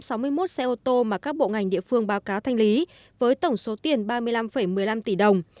tổng hợp được hai mươi một xe ô tô mà các bộ ngành địa phương báo cáo thanh lý với tổng số tiền ba mươi năm một mươi năm tỷ đồng